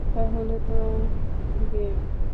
তাহলে তো গে।